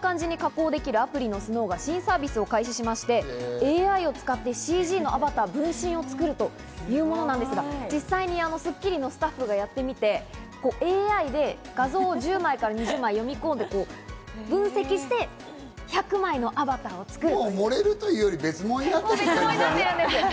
顔写真を盛った感じに加工できるアプリのＳＮＯＷが新サービスを開始しまして、ＡＩを使ってＣＧのアバター、分身を作るというものなんですが、実際に『スッキリ』のスタッフがやってみて、ＡＩで画像５０枚から２０枚を読み込んで、分析して１００枚のアバターを作る。